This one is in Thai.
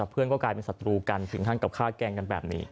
เพื่อนก็กลายเป็นศัตรูกันถึงขั้นกับฆ่าแกล้งกันแบบนี้